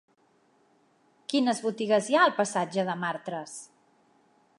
Quines botigues hi ha al passatge de Martras?